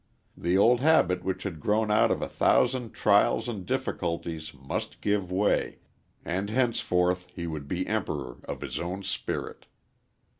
The old habit which had grown out of a thousand trials and difficulties must give way, and henceforth he would be emperor of his own spirit.